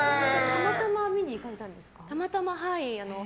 たまたま見に行かれたんですか？